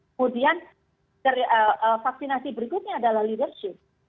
kemudian vaksinasi berikutnya adalah leadership